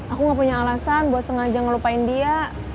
aku gak punya alasan buat sengaja ngelupain dia